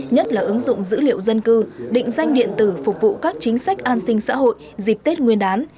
nhất là ứng dụng dữ liệu dân cư định danh điện tử phục vụ các chính sách an sinh xã hội dịp tết nguyên đán